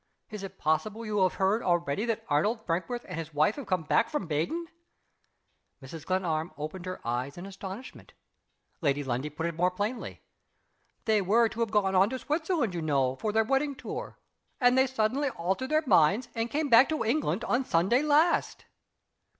Is it possible you have heard already that Arnold Brinkworth and his wife have come back from Baden?" Mrs. Glenarm opened her eyes in astonishment. Lady Lundie put it more plainly. "They were to have gone on to Switzerland, you know, for their wedding tour, and they suddenly altered their minds, and came back to England on Sunday last."